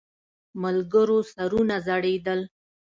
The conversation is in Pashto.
ملګرو سرونه ځړېدل.